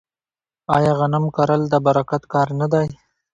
آیا غنم کرل د برکت کار نه دی؟